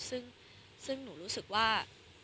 ซึ่งหนูรู้สึกว่า